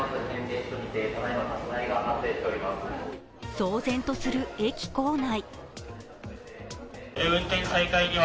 騒然とする駅構内。